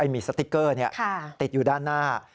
มีสติ๊กเกอร์ติดอยู่ด้านหน้า